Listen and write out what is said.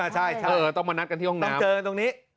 ใช่ต้องมานัดกันที่ห้องนั้นต้องเจอกันตรงนี้